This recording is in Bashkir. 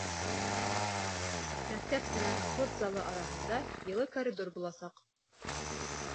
Мәктәп менән спорт залы араһында йылы коридор буласаҡ.